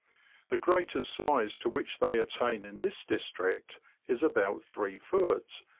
The greatest size to which they attain in this district is about 3ft.